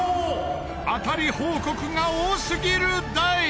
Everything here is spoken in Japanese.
当たり報告が多すぎる台。